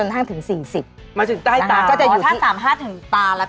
ถ้า๓๕ถึงตาละพี่กัล